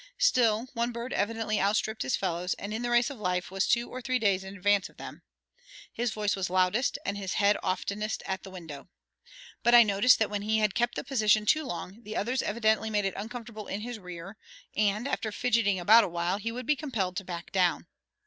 Still, one bird evidently outstripped his fellows, and in the race of life, was two or three days in advance of them. His voice was loudest and his head oftenest at the window. But I noticed that when he had kept the position too long, the others evidently made it uncomfortable in his rear, and, after "fidgeting" about a while, he would be compelled to "back down."